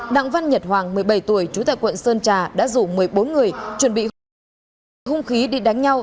đặng văn nhật hoàng một mươi bảy tuổi trú tại quận sơn trà đã rủ một mươi bốn người chuẩn bị hung khí đi đánh nhau